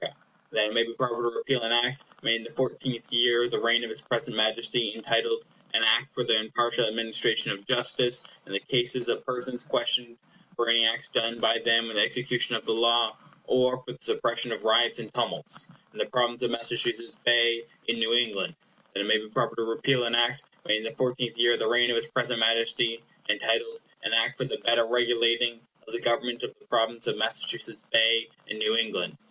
And that it may be proper to repeal an Act made in the fourteenth year of the reign of his present Majesty, entitled, An Act for the impartial administration of justice in the cases of persons questioned for any acts done by them in the execution of the law, or for the suppression of riots and tumults, in the Province of Massachusetts Bay, in New England. And that it may be proper to repeal an Act made in the fourteenth year of the reign of his present Majesty, entitled, An Act for the better regulating of the Government of the Province of the Massachusetts Bay, in New England.